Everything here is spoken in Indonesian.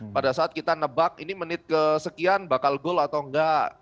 pada saat kita nebak ini menit kesekian bakal goal atau enggak